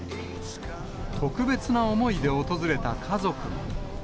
特別な思いで訪れた家族も。